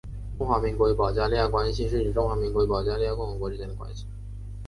中华民国与保加利亚关系是指中华民国与保加利亚共和国之间的关系。